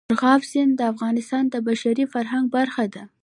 مورغاب سیند د افغانستان د بشري فرهنګ برخه ده.